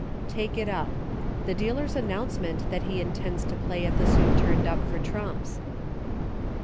Take it Up. The dealer's announcement that he intends to play at the suit turned up for trumps.